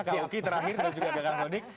kak uki terakhir dan juga kak kang sodik